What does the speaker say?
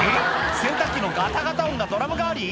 洗濯機のガタガタ音がドラム代わり？